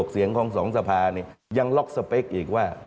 ๓๗๖เสียงของสองสภาเนี่ยยังล็อกสเปคอีกว่า